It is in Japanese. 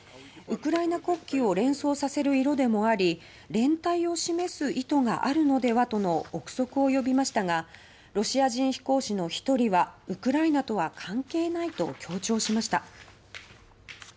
ウクライナ国旗を連想させる色でもあり「連帯を示す意図があるのでは」との臆測も呼びましたがロシア人飛行士の１人はウクライナとは関係ないと強調しました。